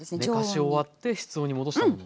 寝かし終わって室温に戻したもの。